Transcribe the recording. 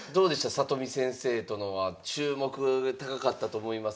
里見先生とのは注目が高かったと思いますが。